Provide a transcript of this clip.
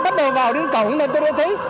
bắt đầu vào đến cổng là tôi đã thấy